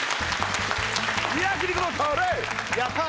やったー！